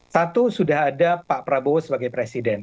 satu sudah ada pak prabowo sebagai presiden